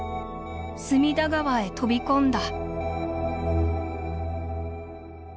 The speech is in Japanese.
隅田川へとびこんだ」。